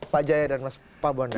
pak jaya dan pak bonda